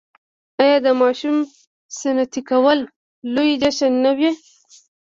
آیا د ماشوم سنتي کول لوی جشن نه وي؟